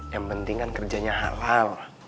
yang penting kan kerjanya halal